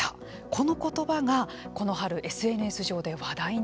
この言葉がこの春、ＳＮＳ上で話題になりました。